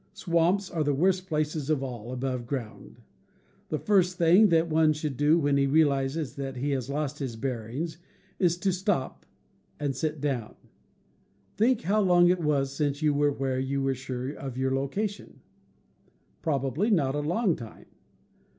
Swamps are the worst places of all, above ground. The first thing that one should do when he realizes that he has lost his bearings is to stop and sit down. ■nri. 4. X Tk Think how long it was since you were What to Do. ,® i. 1 .. where you were sure oi your location. Probably not a long time.